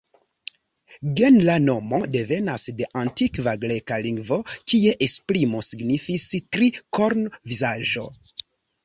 Genra nomo devenas de antikva greka lingvo kie esprimo signifis „tri-korn-vizaĝo”.